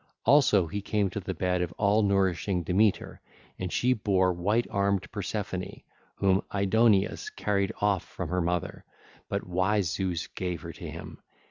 (ll. 912 914) Also he came to the bed of all nourishing Demeter, and she bare white armed Persephone whom Aidoneus carried off from her mother; but wise Zeus gave her to him.